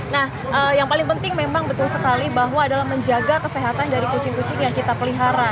nah yang paling penting memang betul sekali bahwa adalah menjaga kesehatan dari kucing kucing yang kita pelihara